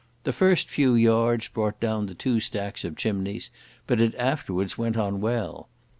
The first few yards brought down the two stacks of chimneys, but it afterwards went on well.